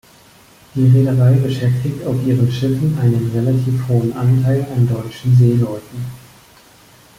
Die Reederei beschäftigt auf ihren Schiffen einen relativ hohen Anteil an deutschen Seeleuten.